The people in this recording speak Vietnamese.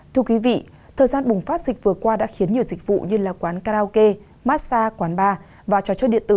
thưa quý vị thời gian bùng phát dịch vừa qua đã khiến nhiều dịch vụ như là quán karaoke massage quán bar và trò chơi điện tử